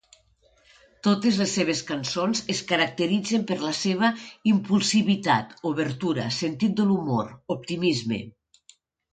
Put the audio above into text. Totes les seves cançons es caracteritzen per la seva impulsivitat, obertura, sentit de l'humor, optimisme.